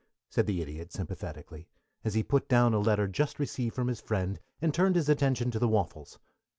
said the Idiot sympathetically, as he put down a letter just received from his friend and turned his attention to the waffles.